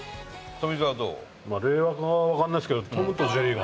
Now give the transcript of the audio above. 富澤：令和かわからないですけど『トムとジェリー』が。